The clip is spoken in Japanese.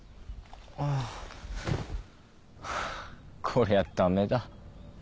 あーこりゃダメだ